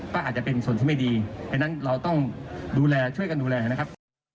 ก็อาจจะเป็นส่วนที่ไม่ดีเพราะฉะนั้นเราต้องดูแลช่วยกันดูแลนะครับ